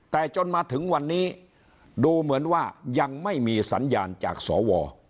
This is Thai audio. แต่จนมาถึงวันนี้ดูเหมือนว่ายังไม่มีสัญญาณจากสว